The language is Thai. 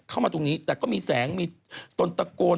เข้ามาตรงนี้แต่ก็มีแสงมีตนตะโกน